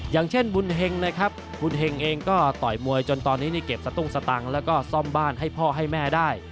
อย่างเช่นบุญเฮงนะครับบุญเห็งเองก็ต่อยมวยจนตอนนี้นี่เก็บสตุ้งสตังค์แล้วก็ซ่อมบ้านให้พ่อให้แม่ได้